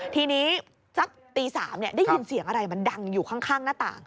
ทีนี้สักตี๓ได้ยินเสียงอะไรมันดังอยู่ข้างหน้าต่าง